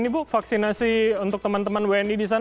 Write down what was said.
oke tapi untuk vaksinasi untuk teman teman wni di sini